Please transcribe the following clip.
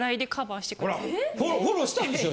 フォローしたんでしょ？